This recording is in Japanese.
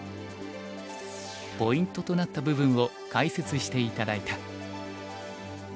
ポイントとなった部分を解説して頂いた。